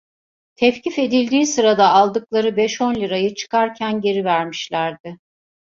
Tevkif edildiği sırada aldıkları beş on lirayı çıkarken geri vermişlerdi.